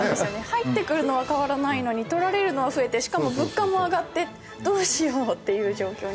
入ってくるのは変わらないのに取られるのは増えてしかも物価も上がってどうしようっていう状況に今。